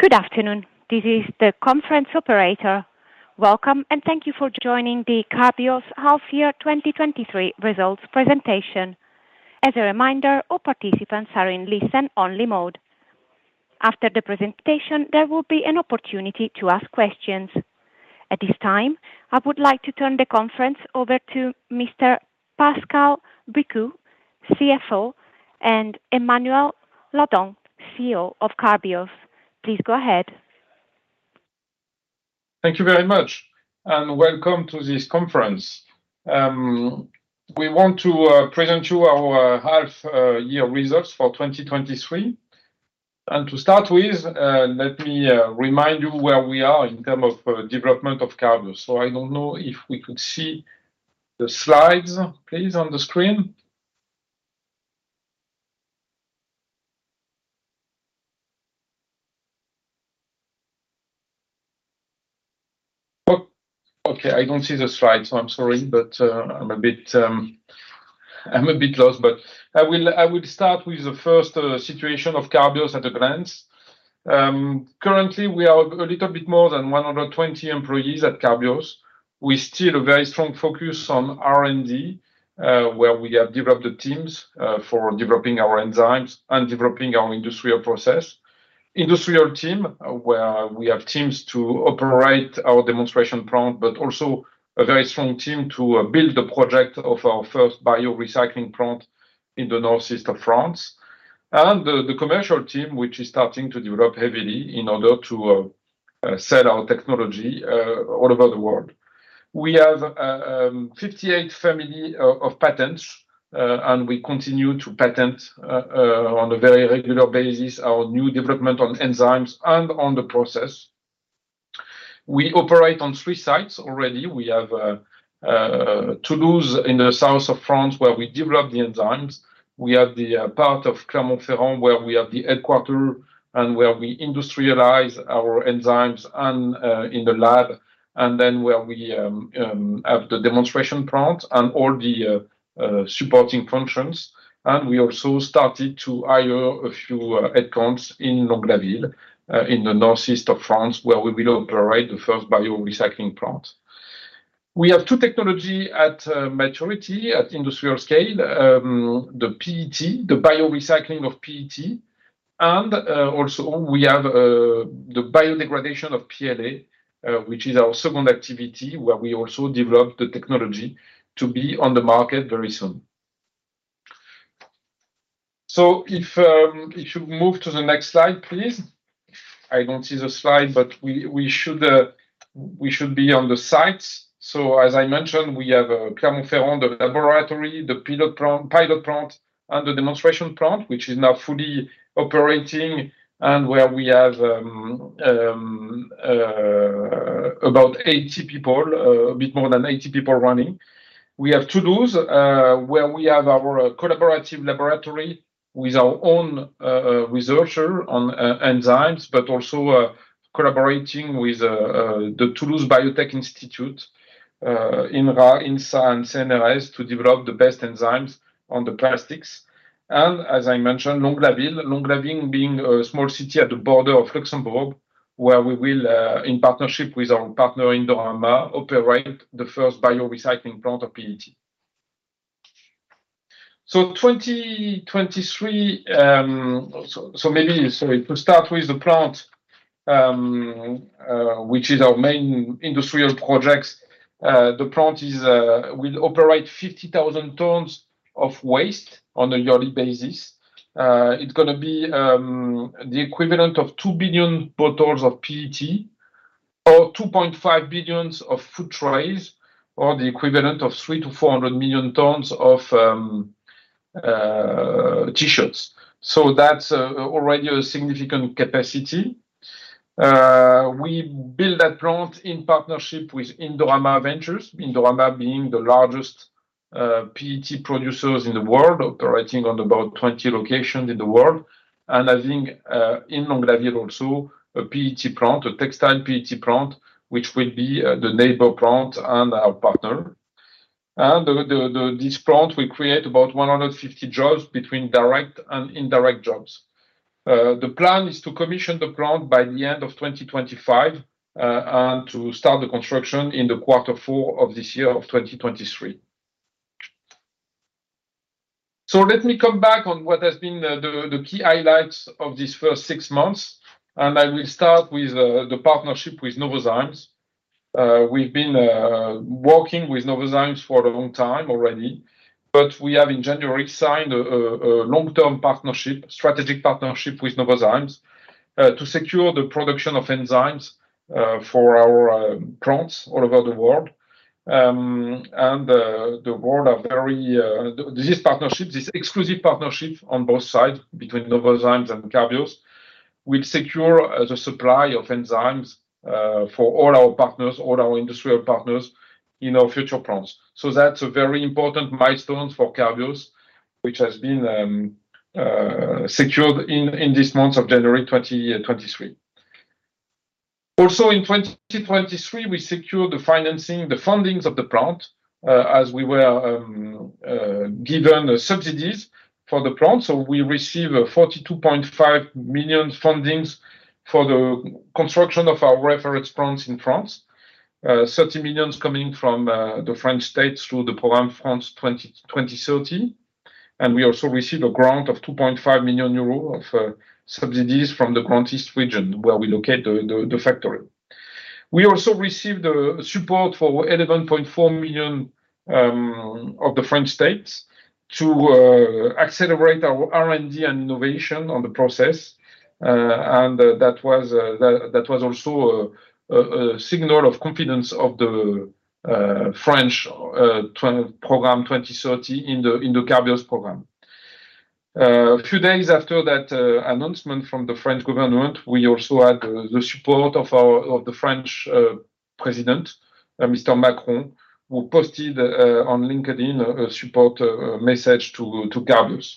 Good afternoon. This is the conference operator. Welcome, and thank you for joining the Carbios Half-Year 2023 Results Presentation. As a reminder, all participants are in listen-only mode. After the presentation, there will be an opportunity to ask questions. At this time, I would like to turn the conference over to Mr. Pascal Bricout, CFO, and Emmanuel Ladent, CEO of Carbios. Please go ahead. Thank you very much, and welcome to this conference. We want to present you our half-year results for 2023. To start with, let me remind you where we are in term of development of Carbios. I don't know if we could see the slides, please, on the screen. Oh, okay, I don't see the slides, so I'm sorry, but I'm a bit lost, but I will start with the first situation of Carbios at a glance. Currently, we are a little bit more than 120 employees at Carbios. We still a very strong focus on R&D, where we have developed the teams for developing our enzymes and developing our industrial process. Industrial team, where we have teams to operate our demonstration plant, but also a very strong team to build the project of our first biorecycling plant in the northeast of France. The commercial team, which is starting to develop heavily in order to sell our technology all over the world. We have 58 family of patents, and we continue to patent on a very regular basis our new development on enzymes and on the process. We operate on three sites already. We have Toulouse in the south of France, where we develop the enzymes. We have the part of Clermont-Ferrand, where we have the headquarters and where we industrialize our enzymes and in the lab, and then where we have the demonstration plant and all the supporting functions. And we also started to hire a few headcounts in Longlaville, in the northeast of France, where we will operate the first biorecycling plant. We have two technology at maturity at industrial scale. The PET, the biorecycling of PET, and also we have the biodegradation of PLA, which is our second activity, where we also develop the technology to be on the market very soon. So if you move to the next slide, please. I don't see the slide, but we, we should, we should be on the sites. So as I mentioned, we have Clermont-Ferrand, the laboratory, the pilot plant, pilot plant, and the demonstration plant, which is now fully operating and where we have about 80 people, a bit more than 80 people running. We have Toulouse, where we have our collaborative laboratory with our own researcher on enzymes, but also collaborating with the Toulouse Biotechnology Institute, INRA, INSA, and CNRS to develop the best enzymes on the plastics. And as I mentioned, Longlaville. Longlaville being a small city at the border of Luxembourg, where we will in partnership with our partner, Indorama, operate the first biorecycling plant of PET. So 2023. Maybe to start with, the plant, which is our main industrial projects. The plant will operate 50,000 tons of waste on a yearly basis. It's gonna be the equivalent of 2 billion bottles of PET or 2.5 billion food trays, or the equivalent of 300-400 million tons of T-shirts. So that's already a significant capacity. We build that plant in partnership with Indorama Ventures. Indorama being the largest PET producers in the world, operating on about 20 locations in the world. And I think in Longlaville also a PET plant, a textile PET plant, which will be the neighbor plant and our partner. And this plant will create about 150 jobs between direct and indirect jobs. The plan is to commission the plant by the end of 2025 and to start the construction in the quarter four of this year of 2023. So let me come back on what has been the key highlights of this first six months, and I will start with the partnership with Novozymes. We've been working with Novozymes for a long time already, but we have in January signed a long-term partnership, strategic partnership with Novozymes, to secure the production of enzymes, for our plants all over the world. And the board are very this partnership, this exclusive partnership on both sides, between Novozymes and Carbios, will secure the supply of enzymes, for all our partners, all our industrial partners, in our future plants. So that's a very important milestone for Carbios, which has been secured in this month of January 2023. Also, in 2023, we secured the financing, the fundings of the plant, as we were given subsidies for the plant. So we received 42.5 million fundings for the construction of our reference plants in France. Thirty million coming from the French state through the program France 2030, and we also received a grant of 2.5 million euros of subsidies from the Grand Est region, where we locate the factory. We also received support for 11.4 million of the French state to accelerate our R&D and innovation on the process. That was also a signal of confidence of the French 2030 program in the Carbios program. A few days after that announcement from the French government, we also had the support of our French president, Mr. Macron, who posted on LinkedIn a support message to Carbios.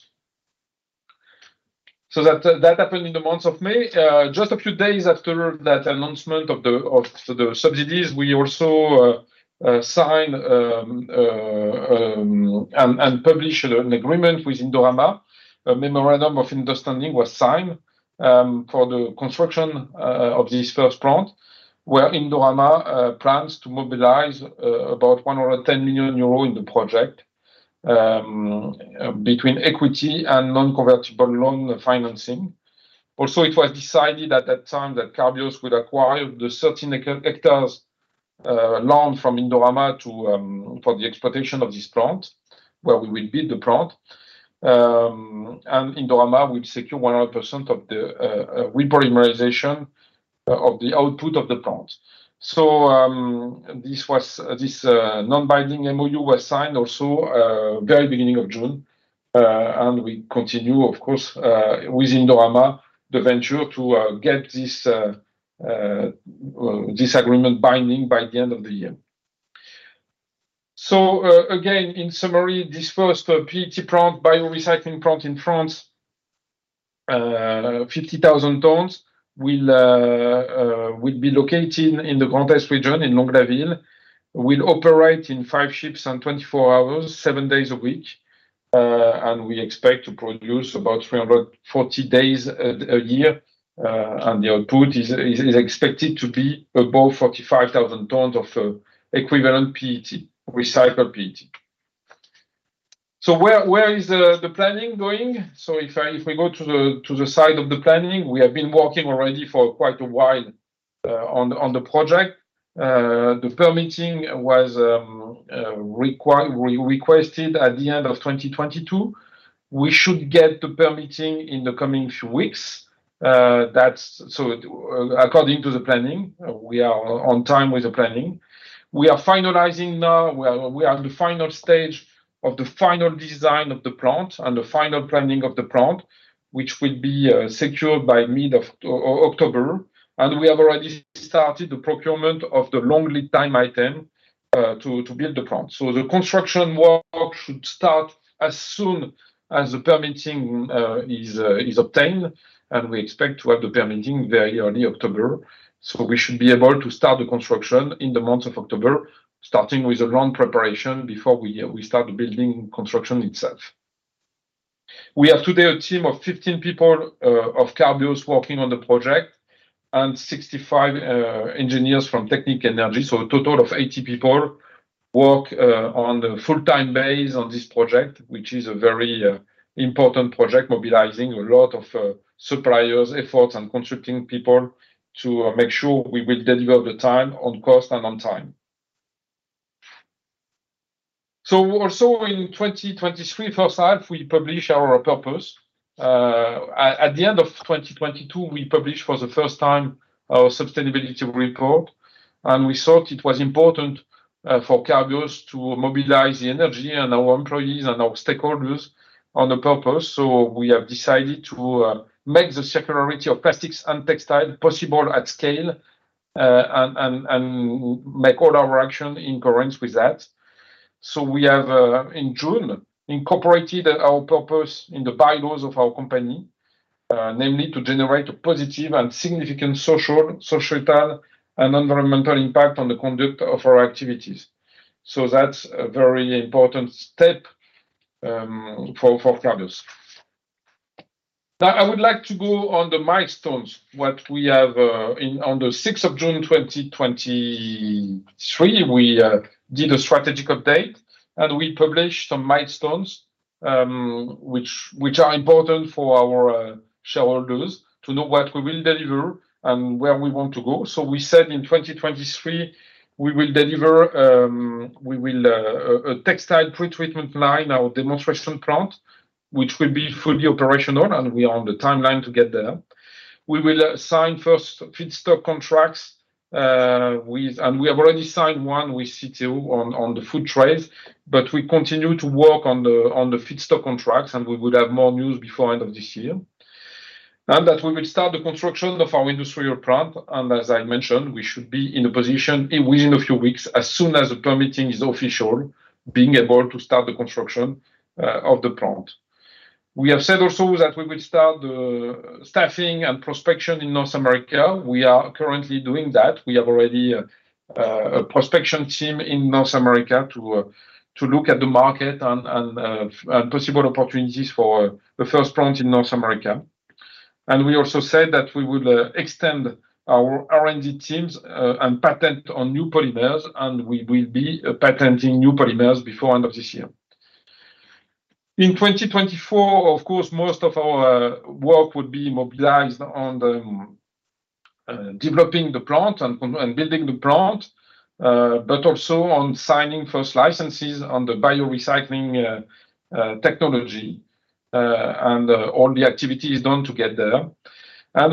So that happened in the month of May. Just a few days after that announcement of the subsidies, we also signed and published an agreement with Indorama. A memorandum of understanding was signed for the construction of this first plant, where Indorama plans to mobilize about 110 million euro in the project between equity and non-convertible loan financing. Also, it was decided at that time that Carbios would acquire the 13 hectares land from Indorama to for the exploitation of this plant, where we will build the plant. And Indorama will secure 100% of the repolymerization of the output of the plant. This non-binding MoU was signed also very beginning of June. And we continue, of course, with Indorama Ventures to get this agreement binding by the end of the year. So, again, in summary, this first PET plant, biorecycling plant in France, 50,000 tons will be located in the Grand Est region, in Longlaville, will operate in five shifts and 24 hours, seven days a week. And we expect to produce about 340 days a year, and the output is expected to be above 45,000 tons of equivalent PET, recycled PET. So where is the planning going? So if we go to the side of the planning, we have been working already for quite a while on the project. The permitting was requested at the end of 2022. We should get the permitting in the coming few weeks. So according to the planning, we are on time with the planning. We are finalizing now, we are in the final stage of the final design of the plant and the final planning of the plant, which will be secured by mid-October, and we have already started the procurement of the long lead time item to build the plant. So the construction work should start as soon as the permitting is obtained, and we expect to have the permitting very early October. So we should be able to start the construction in the month of October, starting with the land preparation before we start the building construction itself. We have today a team of 15 people of Carbios working on the project, and 65 engineers from Technip Energies. So a total of 80 people work on a full-time basis on this project, which is a very important project, mobilizing a lot of suppliers, efforts, and consulting people to make sure we will deliver the time, on cost and on time. So also in 2023, first half, we published our purpose. At the end of 2022, we published for the first time our sustainability report, and we thought it was important for Carbios to mobilize the energy and our employees and our stakeholders on the purpose. So we have decided to make the circularity of plastics and textiles possible at scale, and make all our action in accordance with that. So we have in June incorporated our purpose in the bylaws of our company, namely, to generate a positive and significant social, societal, and environmental impact on the conduct of our activities. So that's a very important step for Carbios. Now, I would like to go on the milestones, what we have on the 6 June 2023, we did a strategic update, and we published some milestones, which are important for our shareholders to know what we will deliver and where we want to go. So we said in 2023, we will deliver a textile pre-treatment line, our demonstration plant, which will be fully operational, and we are on the timeline to get there. We will sign first feedstock contracts with... We have already signed one with Citeo on the food trays, but we continue to work on the feedstock contracts, and we will have more news before end of this year. And that we will start the construction of our industrial plant, and as I mentioned, we should be in a position within a few weeks, as soon as the permitting is official, being able to start the construction of the plant. We have said also that we will start the staffing and prospecting in North America. We are currently doing that. We have already a prospecting team in North America to look at the market and possible opportunities for the first plant in North America. We also said that we would extend our R&D teams, and patent on new polymers, and we will be patenting new polymers before end of this year. In 2024, of course, most of our work would be mobilized on the developing the plant and building the plant, but also on signing first licenses on the biorecycling technology, and all the activities done to get there.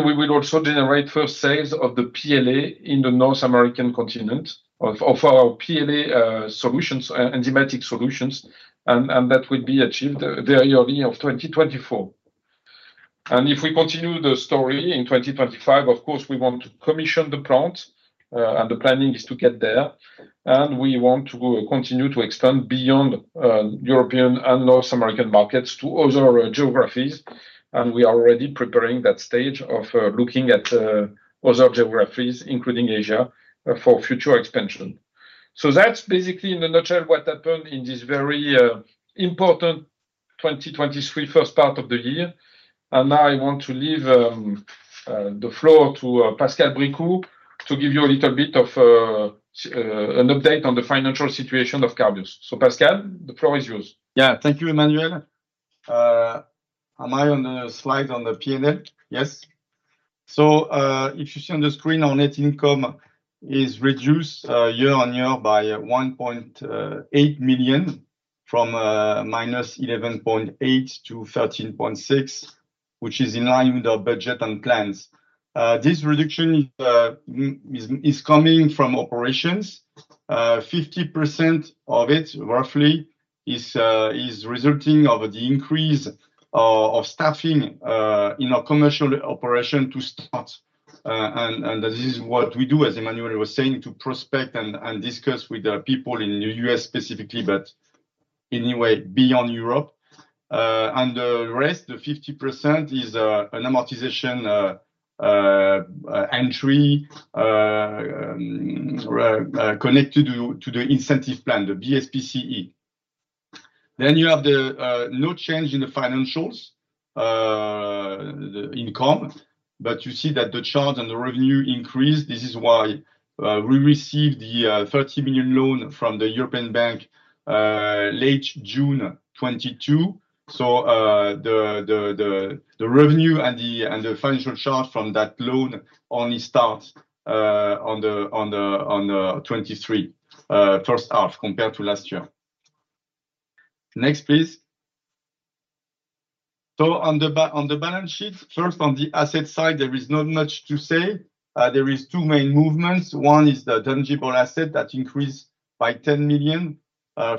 We will also generate first sales of the PLA in the North American continent of our PLA solutions, enzymatic solutions, and that will be achieved very early of 2024. If we continue the story in 2025, of course, we want to commission the plant, and the planning is to get there, and we want to continue to extend beyond European and North American markets to other geographies. We are already preparing that stage of looking at other geographies, including Asia, for future expansion. So that's basically in a nutshell what happened in this very important 2023 first part of the year. Now I want to leave the floor to Pascal Bricout to give you a little bit of an update on the financial situation of Carbios. So, Pascal, the floor is yours. Yeah. Thank you, Emmanuel. Am I on the slide on the P&L? Yes. So, if you see on the screen, our net income is reduced year-on-year by 1.8 million, from -11.8 million to -13.6 million, which is in line with our budget and plans. This reduction is coming from operations. 50% of it, roughly, is resulting of the increase of staffing in our commercial operation to start. And this is what we do, as Emmanuel was saying, to prospect and discuss with the people in the US specifically, but anyway, beyond Europe. And the rest, the 50%, is an amortization entry connected to the incentive plan, the BSPCE. Then you have the no change in the financials, the income, but you see that the charge and the revenue increased. This is why we received the 30 million loan from the European Investment Bank late June 2022. So the revenue and the financial charge from that loan only starts on the 2023 first half compared to last year. Next, please. So on the balance sheet, first, on the asset side, there is not much to say. There is two main movements. One is the tangible asset that increased by 10 million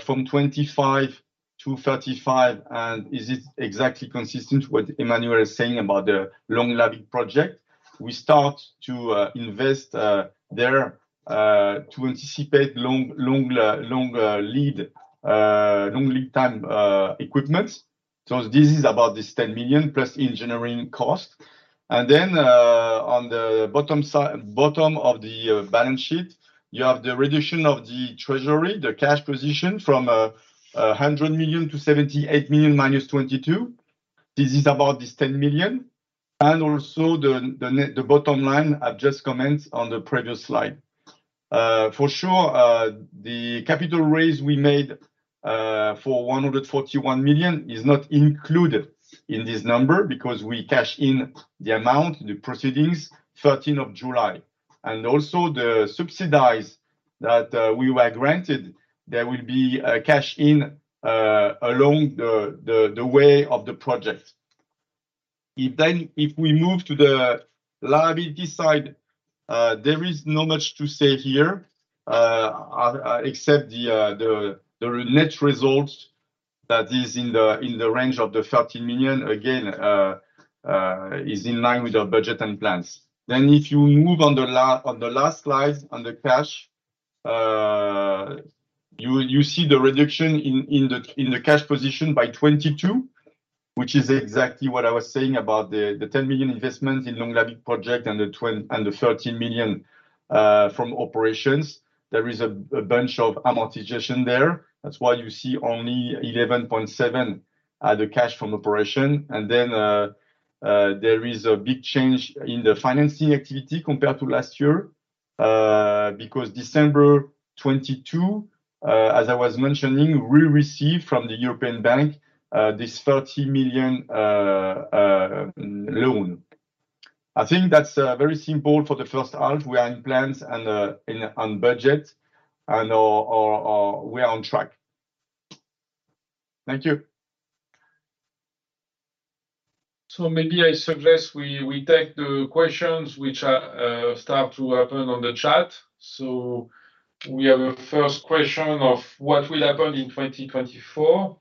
from 25 to 35, and this is exactly consistent with what Emmanuel is saying about the Longlaville project. We start to invest there to anticipate long lead time equipment. So this is about this 10 million plus engineering cost. Then on the bottom side, bottom of the balance sheet, you have the reduction of the treasury, the cash position, from 100 million to 78 million minus -22 million. This is about this 10 million, and also the net, the bottom line, I've just commented on the previous slide. For sure, the capital raise we made for 141 million is not included in this number, because we cash in the amount, the proceeds, thirteenth of July. Also the subsidies that we were granted, they will be cashed in along the way of the project. If then, if we move to the liability side, there is not much to say here, except the net result that is in the range of 13 million, again, is in line with our budget and plans. Then if you move on the last slide, on the cash, you see the reduction in the cash position by 22 million, which is exactly what I was saying about the 10 million investment in Longlaville project and the 13 million from operations. There is a bunch of amortization there. That's why you see only 11.7 the cash from operation. There is a big change in the financing activity compared to last year, because December 2022, as I was mentioning, we received from the European Investment Bank this 30 million loan. I think that's very simple for the first half. We are on plan and on budget, and we are on track. Thank you. So maybe I suggest we, we take the questions which are, start to happen on the chat. So we have a first question of: what will happen in 2024?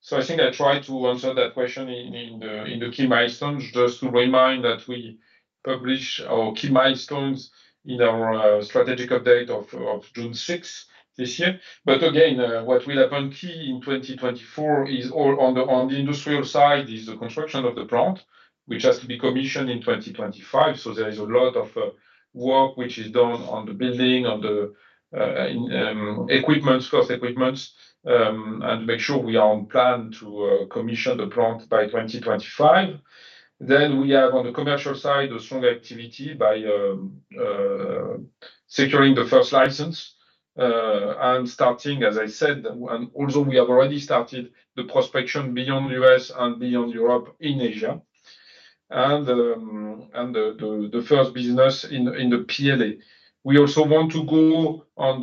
So I think I tried to answer that question in, in the, in the key milestones. Just to remind that we published our key milestones in our, strategic update of, of June 6 this year. But again, what will happen key in 2024 is all on the, on the industrial side, is the construction of the plant, which has to be commissioned in 2025. So there is a lot of, work which is done on the building, on the, equipment, first equipment, and to make sure we are on plan to, commission the plant by 2025. Then we have, on the commercial side, a strong activity by securing the first license and starting, as I said, and also we have already started the prospection beyond U.S. and beyond Europe, in Asia, and the first business in the PLA. We also want to go on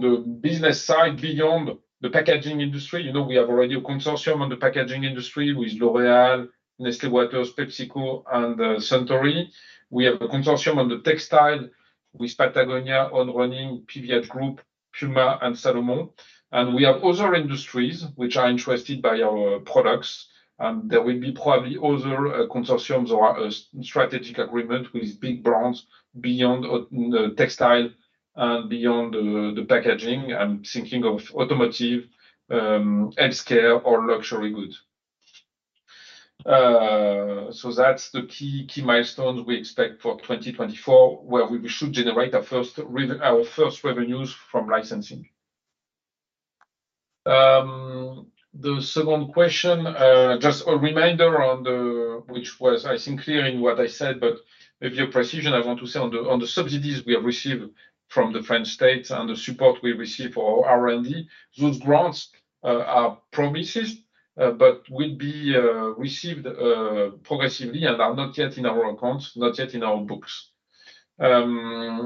the business side, beyond the packaging industry. You know, we have already a consortium on the packaging industry with L'Oréal, Nestlé Waters, PepsiCo, and Suntory. We have a consortium on the textile with Patagonia, On Running, PVH Corp., PUMA, and Salomon. And we have other industries which are interested by our products, and there will be probably other consortiums or strategic agreement with big brands beyond the textile and beyond the packaging. I'm thinking of automotive, healthcare, or luxury goods. So that's the key milestones we expect for 2024, where we should generate our first revenues from licensing. The second question, just a reminder on the which was, I think, clear in what I said, but with your precision, I want to say on the subsidies we have received from the French state and the support we receive for our R&D, those grants are promises but will be received progressively and are not yet in our accounts, not yet in our books. I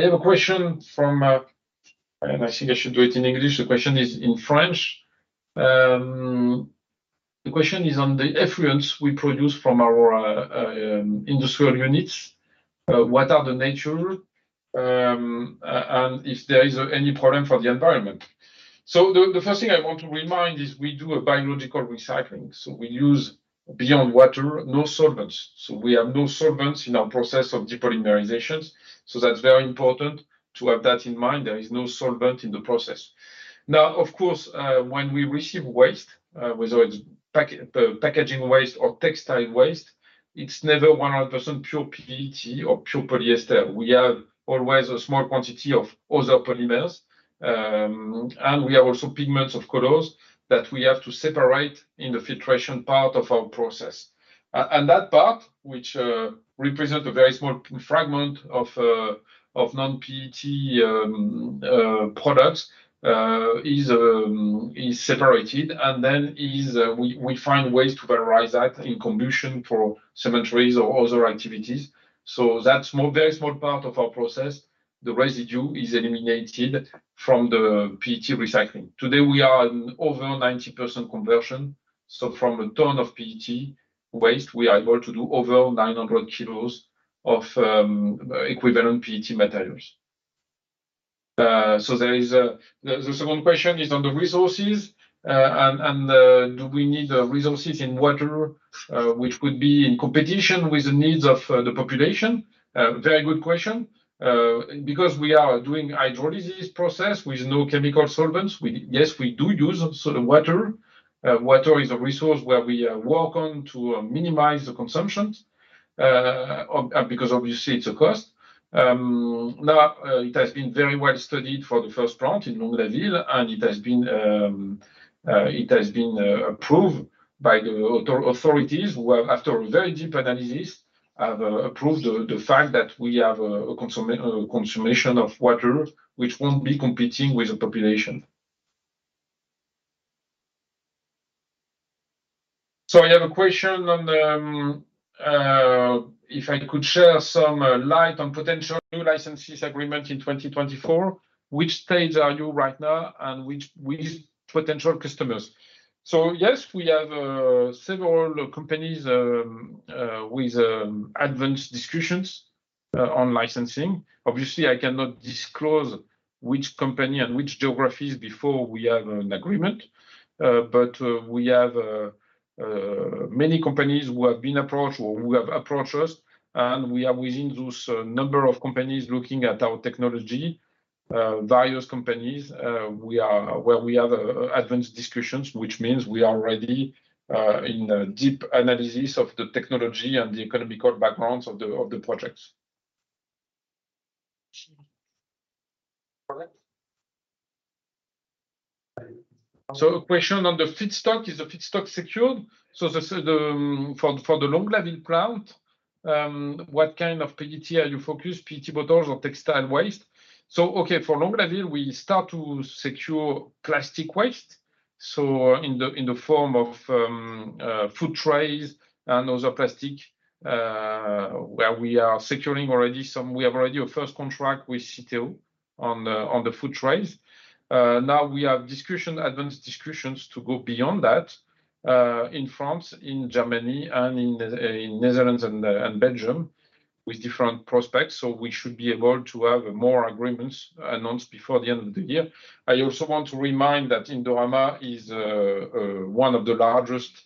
have a question from and I think I should do it in English. The question is in French. The question is on the effluents we produce from our industrial units, what are the nature and if there is any problem for the environment. So the first thing I want to remind is we do a biological recycling, so we use, beyond water, no solvents. So we have no solvents in our process of depolymerizations. So that's very important to have that in mind. There is no solvent in the process. Now, of course, when we receive waste, whether it's packaging waste or textile waste, it's never 100% pure PET or pure polyester. We have always a small quantity of other polymers, and we have also pigments of colors that we have to separate in the filtration part of our process. And that part, which represent a very small fragment of non-PET products, is separated, and then we find ways to valorize that in combustion for cimenteries or other activities. So that small, very small part of our process, the residue, is eliminated from the PET recycling. Today, we are in over 90% conversion, so from a ton of PET waste, we are able to do over 900 kilos of equivalent PET materials. So there is the second question is on the resources, and do we need resources in water, which could be in competition with the needs of the population? Very good question. Because we are doing hydrolysis process with no chemical solvents, yes, we do use sort of water. Water is a resource where we work on to minimize the consumptions, because obviously it's a cost. Now, it has been very well studied for the first plant in Longlaville, and it has been approved by the authorities, who, after a very deep analysis, have approved the fact that we have a consumption of water which won't be competing with the population. So I have a question on if I could share some light on potential new licenses agreement in 2024, which stage are you right now, and which potential customers? So yes, we have several companies with advanced discussions on licensing. Obviously, I cannot disclose which company and which geographies before we have an agreement, but we have many companies who have been approached or who have approached us, and we are within those number of companies looking at our technology, various companies, we are where we have advanced discussions, which means we are already in a deep analysis of the technology and the economical backgrounds of the projects. So a question on the feedstock. Is the feedstock secured? So the for the Longlaville plant, what kind of PET are you focused, PET bottles or textile waste? So, okay, for Longlaville, we start to secure plastic waste, so in the form of food trays and other plastic where we are securing already some. We have already a first contract with Citeo on the food trays. Now we have discussion, advanced discussions to go beyond that, in France, in Germany, and in the Netherlands and Belgium with different prospects, so we should be able to have more agreements announced before the end of the year. I also want to remind that Indorama is one of the largest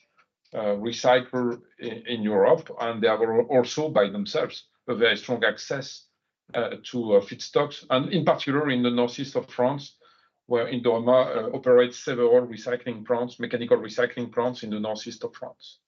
recycler in Europe, and they have also, by themselves, a very strong access to feedstocks, and in particular, in the northeast of France, where Indorama operates several recycling plants, mechanical recycling plants in the northeast of France.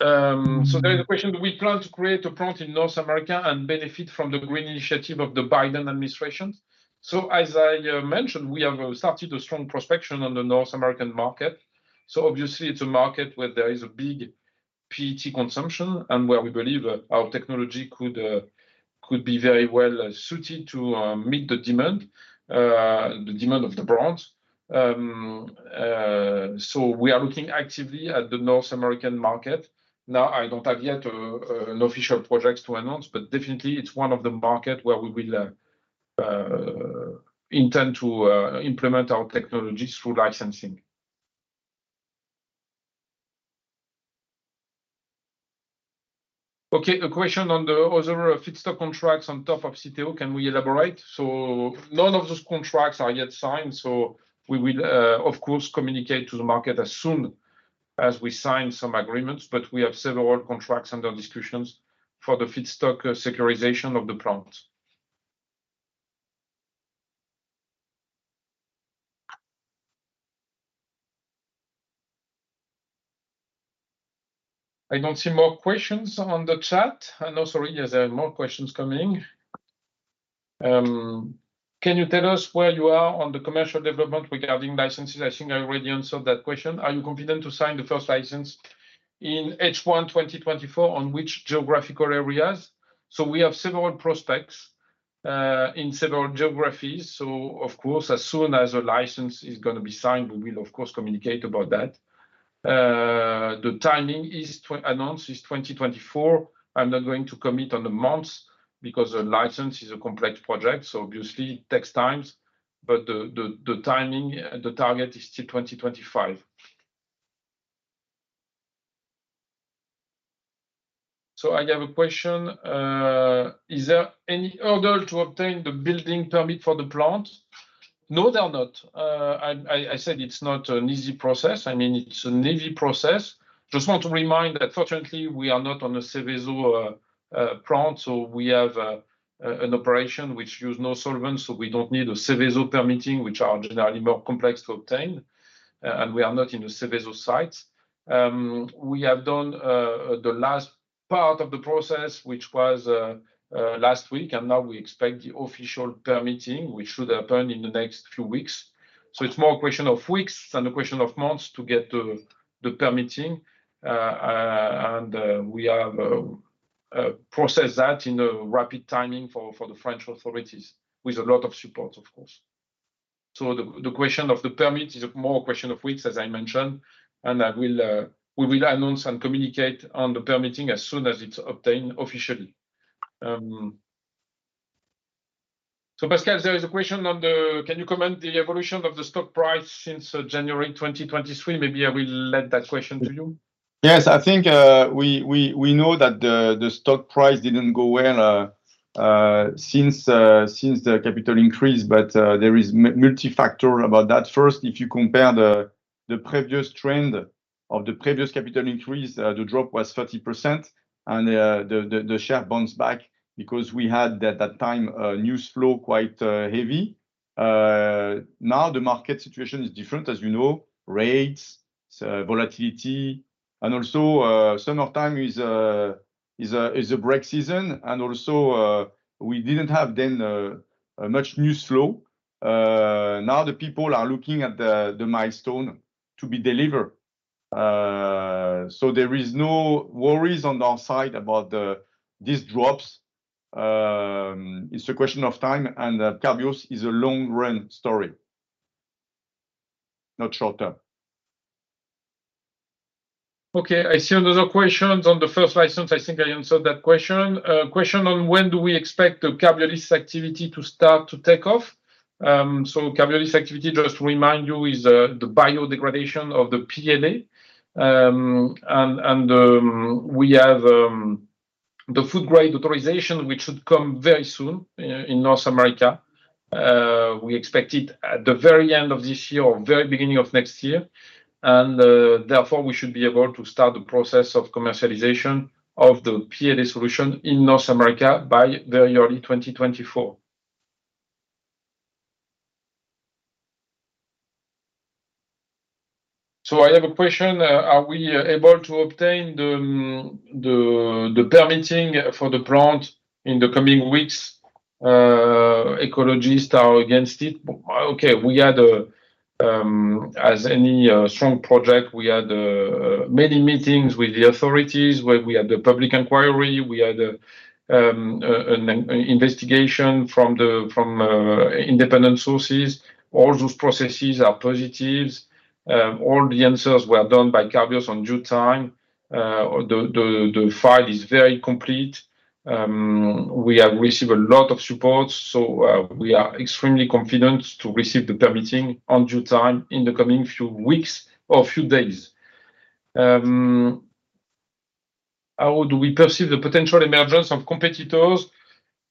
So there is a question, do we plan to create a plant in North America and benefit from the green initiative of the Biden administration? So as I mentioned, we have started a strong prospection on the North American market. So obviously, it's a market where there is a big PET consumption and where we believe that our technology could be very well suited to meet the demand of the brands. So we are looking actively at the North American market. Now, I don't have yet an official projects to announce, but definitely it's one of the market where we will intend to implement our technologies through licensing. Okay, a question on the other feedstock contracts on top of CTO, can we elaborate? So none of those contracts are yet signed, so we will, of course, communicate to the market as soon as we sign some agreements, but we have several contracts under discussions for the feedstock securitization of the plant. I don't see more questions on the chat. No, sorry, yes, there are more questions coming. Can you tell us where you are on the commercial development regarding licenses? I think I already answered that question. Are you confident to sign the first license in H1 2024, on which geographical areas? So we have several prospects in several geographies. So of course, as soon as a license is gonna be signed, we will, of course, communicate about that. The timing is announced is 2024. I'm not going to commit on the months because a license is a complex project, so obviously, it takes times, but the timing, the target is still 2025. So I have a question, is there any order to obtain the building permit for the plant? No, there not. I said it's not an easy process. I mean, it's an easy process. Just want to remind that fortunately, we are not on a Seveso plant, so we have an operation which use no solvents, so we don't need a Seveso permitting, which are generally more complex to obtain, and we are not in a Seveso site. We have done the last part of the process, which was last week, and now we expect the official permitting, which should happen in the next few weeks. So it's more a question of weeks than a question of months to get the permitting, and we have processed that in a rapid timing for the French authorities, with a lot of support, of course. So the question of the permit is more a question of weeks, as I mentioned, and I will, we will announce and communicate on the permitting as soon as it's obtained officially. So Pascal, there is a question on the... Can you comment the evolution of the stock price since January 2023? Maybe I will let that question to you. Yes, I think we know that the stock price didn't go well since the capital increase, but there is multifactor about that. First, if you compare the previous trend of the previous capital increase, the drop was 30%, and the share bounced back because we had, at that time, a news flow quite heavy. Now the market situation is different, as you know, rates volatility, and also summertime is a break season, and also we didn't have then much news flow. Now the people are looking at the milestone to be delivered. So there is no worries on our side about these drops. It's a question of time, and Carbios is a long-run story, not short term. Okay, I see another question on the first license. I think I answered that question. Question on when do we expect the Carbiolice activity to start to take off? So Carbiolice activity, just to remind you, is the biodegradation of the PLA. And we have the food grade authorization, which should come very soon in North America. We expect it at the very end of this year or very beginning of next year, and therefore, we should be able to start the process of commercialization of the PLA solution in North America by very early 2024. So I have a question: Are we able to obtain the permitting for the plant in the coming weeks? Ecologists are against it. Okay, we had a, as any strong project, we had many meetings with the authorities, where we had the public inquiry, we had an investigation from the- from independent sources. All those processes are positives. All the answers were done by Carbios on due time. The file is very complete. We have received a lot of support, so we are extremely confident to receive the permitting on due time in the coming few weeks or few days. How do we perceive the potential emergence of competitors?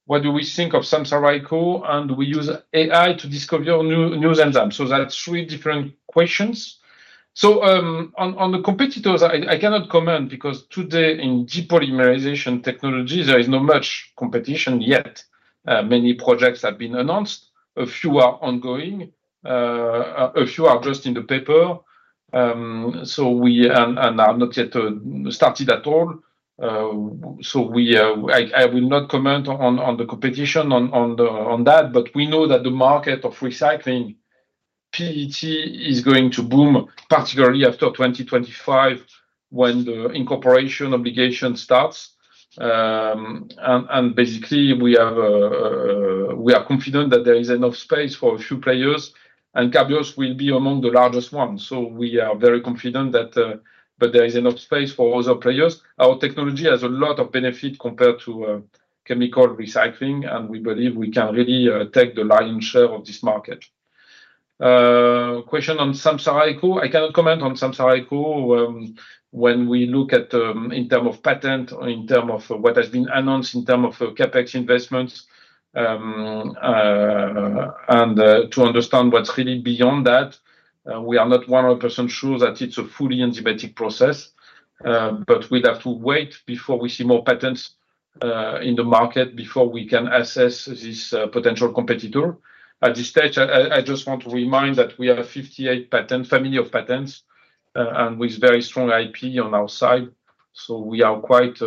What do we think of Samsara Eco, and do we use AI to discover new enzymes? So that's three different questions. So, on the competitors, I cannot comment because today in depolymerization technology, there is not much competition yet. Many projects have been announced, a few are ongoing, a few are just in the paper. So we are not yet started at all. So I will not comment on the competition on that, but we know that the market of recycling PET is going to boom, particularly after 2025, when the incorporation obligation starts. And basically, we are confident that there is enough space for a few players, and Carbios will be among the largest ones. So we are very confident that there is enough space for other players. Our technology has a lot of benefit compared to chemical recycling, and we believe we can really take the lion's share of this market. Question on Samsara Eco. I cannot comment on Samsara Eco. When we look at, in terms of patent, or in terms of what has been announced, in terms of CapEx investments, and, to understand what's really beyond that, we are not 100% sure that it's a fully enzymatic process, but we'd have to wait before we see more patents, in the market before we can assess this, potential competitor. At this stage, I just want to remind that we have 58 patent family of patents, and with very strong IP on our side, so we are quite,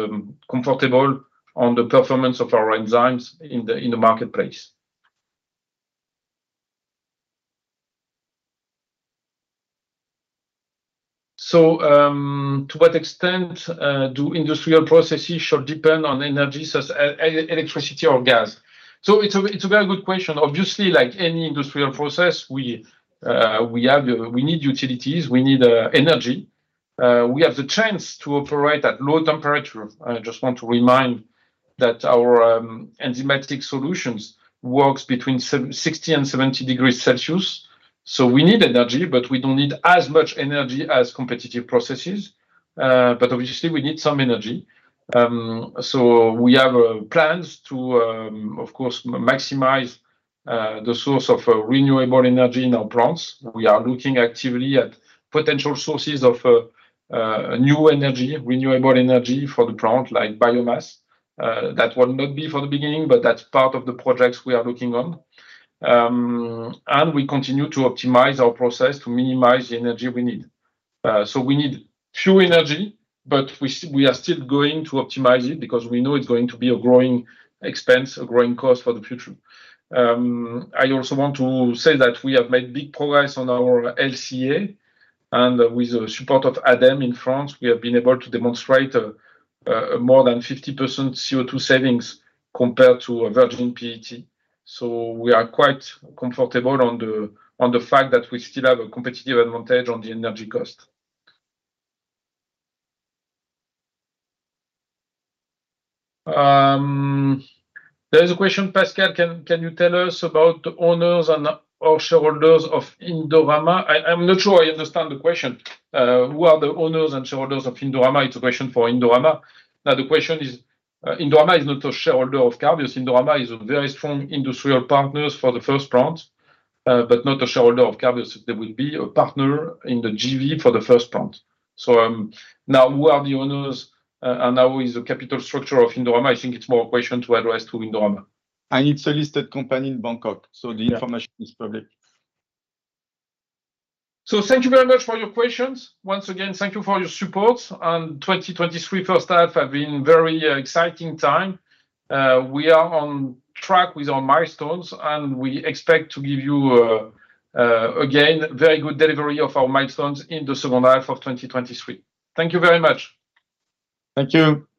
comfortable on the performance of our enzymes in the, in the marketplace. So, to what extent, do industrial processes should depend on energy such as electricity or gas? So it's a very good question. Obviously, like any industrial process, we have, we need utilities, we need energy. We have the chance to operate at low temperature. I just want to remind that our enzymatic solutions works between 60 and 70 degrees Celsius. So we need energy, but we don't need as much energy as competitive processes, but obviously, we need some energy. So we have plans to, of course, maximize the source of renewable energy in our plants. We are looking actively at potential sources of new energy, renewable energy for the plant, like biomass. That will not be for the beginning, but that's part of the projects we are looking on. And we continue to optimize our process to minimize the energy we need. So we need pure energy, but we are still going to optimize it because we know it's going to be a growing expense, a growing cost for the future. I also want to say that we have made big progress on our LCA, and with the support of ADEME in France, we have been able to demonstrate more than 50% CO2 savings compared to a virgin PET. So we are quite comfortable on the fact that we still have a competitive advantage on the energy cost. There is a question, Pascal, can you tell us about the owners and/or shareholders of Indorama? I'm not sure I understand the question. Who are the owners and shareholders of Indorama? It's a question for Indorama. Now, the question is, Indorama is not a shareholder of Carbios. Indorama is a very strong industrial partners for the first plant, but not a shareholder of Carbios. They will be a partner in the JV for the first plant. So, now, who are the owners, and now who is the capital structure of Indorama? I think it's more a question to address to Indorama. It's a listed company in Bangkok, so the- Yeah... information is public. So thank you very much for your questions. Once again, thank you for your support. 2023 first half have been very exciting time. We are on track with our milestones, and we expect to give you, again, very good delivery of our milestones in the second half of 2023. Thank you very much. Thank you.